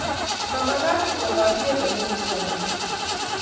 Mamagat kengololye eng olegisomanen